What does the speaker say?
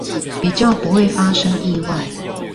比較不會發生意外